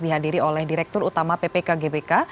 dihadiri oleh direktur utama ppk gbk